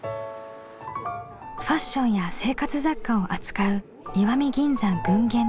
ファッションや生活雑貨を扱う石見銀山群言堂。